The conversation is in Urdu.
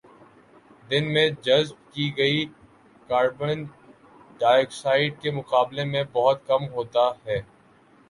دن میں جذب کی گئی کاربن ڈائی آکسائیڈ کے مقابلے میں بہت کم ہوتا ہے